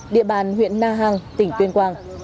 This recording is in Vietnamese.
địa bàn huyện na hàng tỉnh tuyên quang